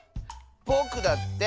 ぼくだって！